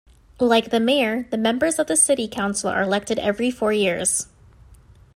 Like the mayor, the members of the city council are elected every four years.